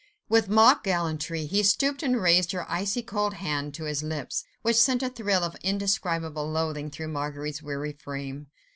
With mock gallantry, he stooped and raised her icy cold hand to his lips, which sent a thrill of indescribable loathing through Marguerite's weary frame.